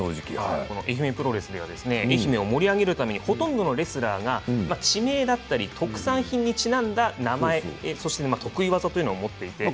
愛媛プロレスは愛媛を盛り上げるためにほとんどのレスラーが地名や特産品にちなんだ名前や得意技を持っています。